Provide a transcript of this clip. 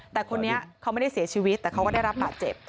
แต่คนนี้เขาไม่ได้เสียชีวิตแต่เขาก็ได้รับบาดเจ็บ